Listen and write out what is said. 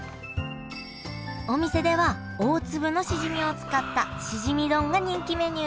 お店では大粒のしじみを使ったしじみ丼が人気メニュー！